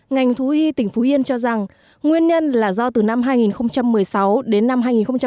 ngành thú y tỉnh phú yên cho rằng nguyên nhân là do từ năm hai nghìn một mươi sáu đến năm hai nghìn một mươi bảy